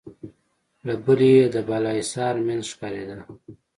له بلې يې د بالاحصار مينځ ښکارېده.